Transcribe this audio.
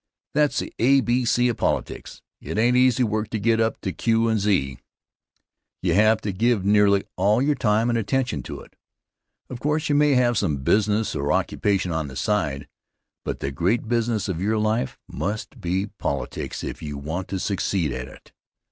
That's the a, b, c of politics. It ain't easy work to get up to q and z. You have to give nearly all your time and attention to it. Of course, you may have some business or occupation on the side, but the great business of your life must be politics if you want to succeed in it.